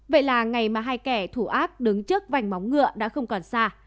vậy là ngày mà hai kẻ thủ ác đứng trước vành móng ngựa đã không còn xa